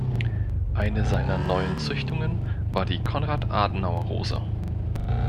Eine seiner neuen Züchtungen war die Konrad Adenauer Rose.